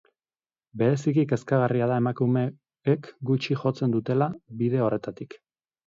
Bereziki kezkagarria da emakumeek gutxi jotzen dutela bide horretatik.